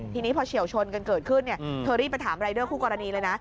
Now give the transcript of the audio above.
ทีนี้พอเฉียวชนกันเกิดขึ้นเธอรีบไปถามรายเดอร์คู่กรณีเลยนะ